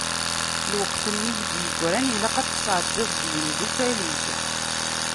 Lweqt-nni i k-d-yegran, ilaq ad t-tsεeddiḍ d yimdukal-ik.